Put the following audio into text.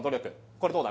これどうだ？